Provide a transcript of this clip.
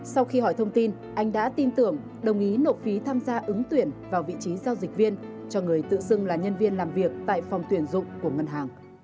sau khi hỏi thông tin anh đã tin tưởng đồng ý nộp phí tham gia ứng tuyển vào vị trí giao dịch viên cho người tự xưng là nhân viên làm việc tại phòng tuyển dụng của ngân hàng